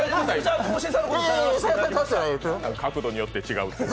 角度によって違うと。